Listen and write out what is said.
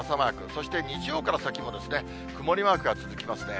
そして日曜から先も曇りマークが続きますね。